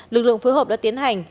lực lượng phối hợp đã tiến hành